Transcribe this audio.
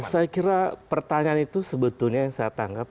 ya saya kira pertanyaan itu sebetulnya yang saya tanggap